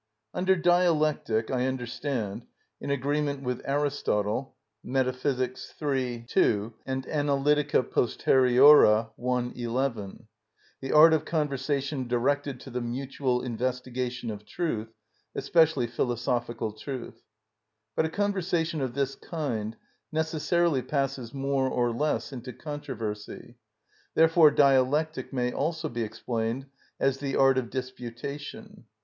Under Dialectic I understand, in agreement with Aristotle (Metaph., iii. 2, and Analyt. Post., i. 11), the art of conversation directed to the mutual investigation of truth, especially philosophical truth. But a conversation of this kind necessarily passes more or less into controversy; therefore dialectic may also be explained as the art of disputation.